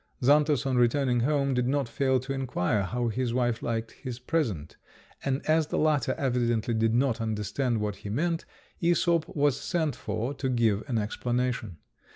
Xantus, on returning home, did not fail to inquire how his wife liked his present, and as the latter evidently did not understand what he meant, Æsop was sent for to give an explanation.